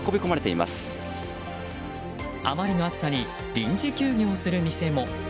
あまりの暑さに臨時休業する店も。